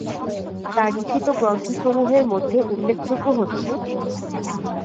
তার লিখিত গ্রন্থ সমূহের মধ্যে উল্লেখযোগ্য হচ্ছে-